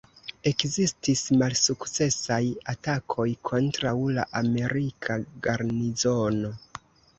Ekzistis malsukcesaj atakoj kontraŭ la amerika garnizono.